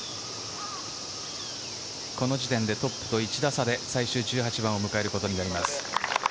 この時点でトップと１打差で最終１８番を迎えることになります。